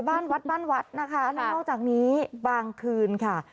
บ้านวัดนะคะแล้วนอกจากนี้บางคืนค่ะ